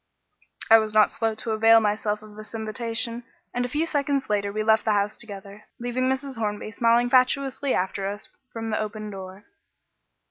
I was not slow to avail myself of this invitation, and a few seconds later we left the house together, leaving Mrs. Hornby smiling fatuously after us from the open door.